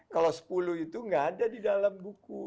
kalau sepuluh itu nggak ada di dalam buku